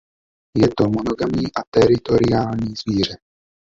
Je to monogamní a teritoriální zvíře.